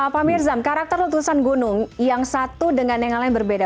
pak mirzam karakter letusan gunung yang satu dengan yang lain berbeda